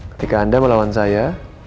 ketika anda melawan saya